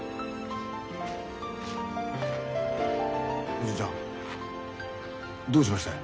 おじいちゃんどうしましたい？